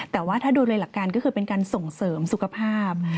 แต่ว่าถ้าดูโดยหลักการก็คือเป็นการส่งเสริมสุขภาพ